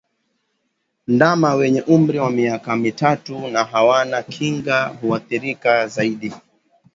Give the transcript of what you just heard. Ndama wenye umri wa miaka mitatu na hawana kinga huathirika zaidi